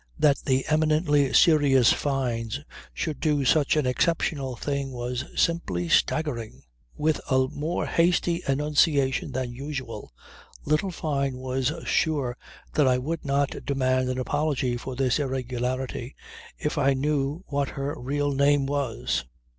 That the eminently serious Fynes should do such an exceptional thing was simply staggering. With a more hasty enunciation than usual little Fyne was sure that I would not demand an apology for this irregularity if I knew what her real name was.